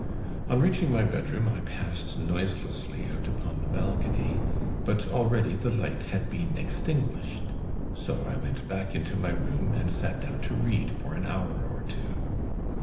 On reaching my bedroom I passed noiselessly out upon the balcony, but already the light had been extinguished. So I went back into my room, and sat down to read for an hour or two.